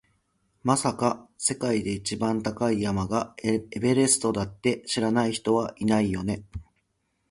まさか、世界で一番高い山がエベレストだって知らない人はいないよね？